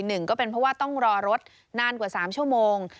หนึ่งก็เป็นเพราะว่าต้องรอรถนานกว่า๓ชั่วโมง